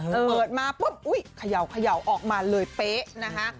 เปิดมาปุ๊บคย่าวออกมาเลยเป๊ะนะฮะ